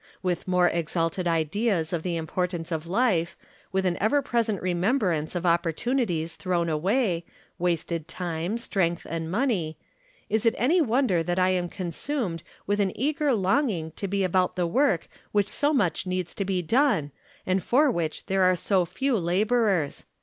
With more exalted ideas of the importance of life, with an ever present remembrance of opportuni ties tlxrown away, wasted time, strength and money, is it any wonder that I am consumed with an eager longing to be about the work which so much needs to be done, and for which there are so few laborers?